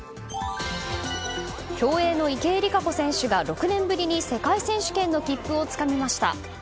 競泳の池江璃花子選手が６年ぶりに世界選手権の切符をつかみました。